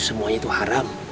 semuanya itu haram